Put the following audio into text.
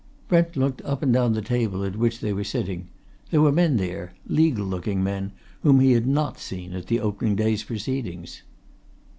Brent looked up and down the table at which they were sitting. There were men there legal looking men whom he had not seen at the opening day's proceedings.